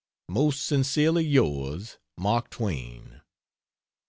Most sincerely yours, MARK TWAIN.